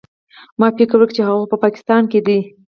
ما فکر وکړ چې هغه خو په پاکستان کښې دى.